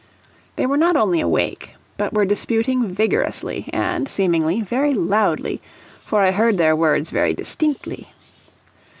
They were not only awake, but were disputing vigorously, and, seemingly, very loudly, for I heard their words very distinctly.